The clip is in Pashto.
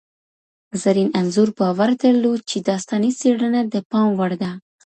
زرین انځور باور درلود چي داستاني څېړنه د پام وړ ده.